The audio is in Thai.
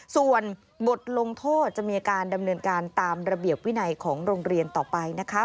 ส่วนบทลงโทษจะมีการดำเนินการตามระเบียบวินัยของโรงเรียนต่อไปนะคะ